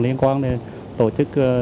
liên quan để tổ chức